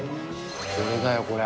これだよ、これ。